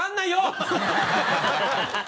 ハハハハ！